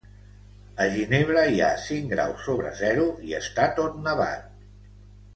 A Ginebra hi ha cinc graus sobre zero i està tot nevat.